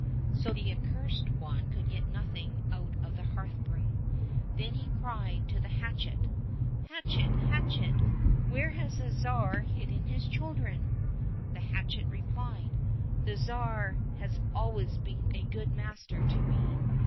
So the Accursed One could get nothing out of the hearth broom. — Then he cried to the hatchet, " Hatchet, hatchet, where has the Tsar hidden his children ?"— The hatchet replied, " The Tsar has always been a good master to me.